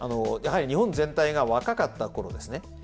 やはり日本全体が若かった頃ですね